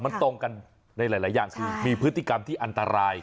มันตรงกันในหลายอย่างคือมีพฤติกรรมที่อันตราย